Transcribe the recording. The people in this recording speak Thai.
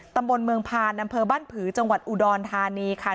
ตำบลเมืองพานอำเภอบ้านผือจังหวัดอุดรธานีค่ะ